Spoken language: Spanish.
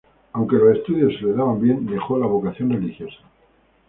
Aunque los estudios se le daban bien, dejó la vocación religiosa.